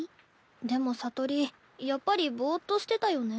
でも聡里やっぱりぼうっとしてたよね。